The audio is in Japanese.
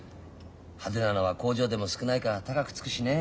派手なのは工場でも少ないから高くつくしねえ。